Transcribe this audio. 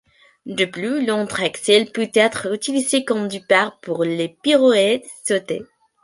De plus, l'entrée Axel peut être utilisée comme départ pour les pirouettes sautées.